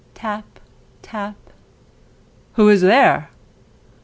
Tap! tap! "Who is there?"